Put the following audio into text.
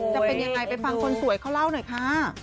จะเป็นยังไงไปฟังคนสวยเขาเล่าหน่อยค่ะ